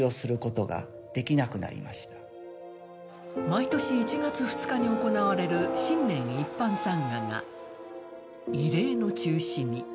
毎年１月２日に行われる新年一般参賀が、異例の中止に。